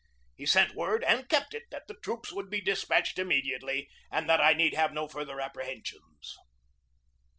He sent word, and kept it, that the troops would be despatched immediately and that I need have no further apprehensions.